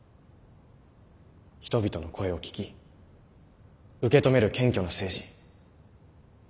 人々の声を聞き受け止める謙虚な政治。